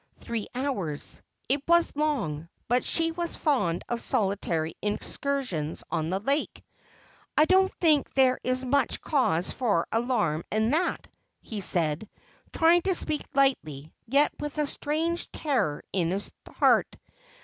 Three hours. It was long, but she was fond of solitary ex cursions on the lake. ' I don't think there is much cause for alarm in that,' he said, trying to speak lightly, yet with a strange terror at his heart.